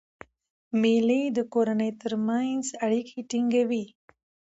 مېلې د کورنۍ ترمنځ اړیکي ټینګوي.